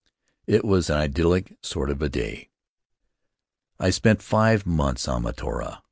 It was an idyllic sort of a day. "I spent five months on Mataora.